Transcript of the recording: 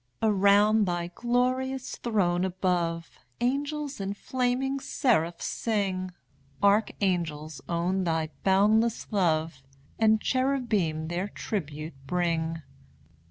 Around thy glorious throne above Angels and flaming seraphs sing; Archangels own thy boundless love, And cherubim their tribute bring.